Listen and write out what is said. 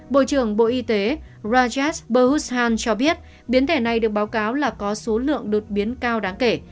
bộ trưởng bộ y tế rajas burhushan cho biết biến thể này được báo cáo là có số lượng đột biến cao đáng kể